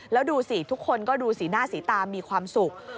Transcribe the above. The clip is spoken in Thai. แล้วดูสิทุกคนก็ดูสีหน้าสีตามีความสุข